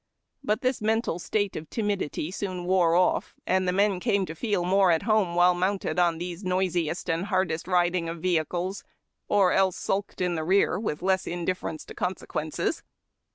But this mental state of timidity soon wore off, and the men came to feel more at home while mounted on these noisiest and hardest riding of vehicles ; or else sulked in the rear, with less indifference to consequences.